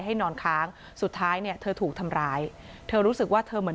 ให้นอนค้างสุดท้ายเนี่ยเธอถูกทำร้ายเธอรู้สึกว่าเธอเหมือน